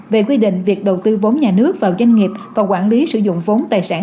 về quy định việc đầu tư vốn nhà nước vào doanh nghiệp và quản lý sử dụng vốn tài sản